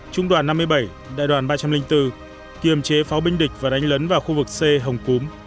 trung đoàn năm mươi bảy đại đoàn ba trăm linh bốn kiềm chế pháo binh địch và đánh lấn vào khu vực c hồng cúm